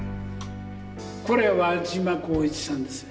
これ輪島功一さんですね。